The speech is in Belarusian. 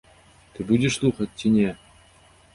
Ты будзеш слухаць ці не?